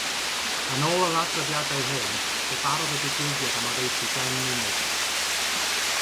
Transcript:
Yn ôl yr adroddiadau hyn, fe barodd y digwyddiad am oddeutu deng munud.